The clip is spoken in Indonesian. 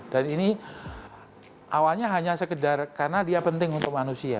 dan ini awalnya hanya sekedar karena dia penting untuk manusia